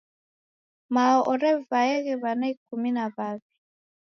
Mao orevaeghe w'ana ikumi na w'awi.